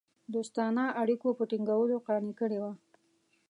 دوستانه اړېکو په ټینګولو قانع کړي وه.